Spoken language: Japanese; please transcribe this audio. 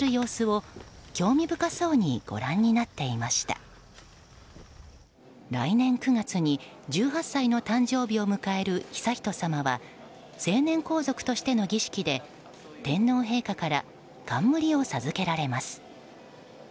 現在、筑波大学附属高校２年生で来年９月に１８歳の誕生日を迎える悠仁さまは成年皇族としての儀式で天皇陛下から冠を授けられます。